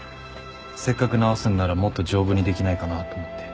せっかく直すんならもっと丈夫にできないかなと思って。